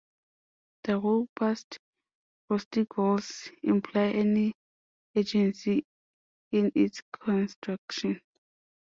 The robust, rustic walls imply an urgency in its construction.